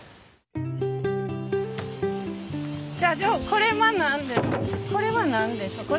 じゃあジョーこれは何でしょう？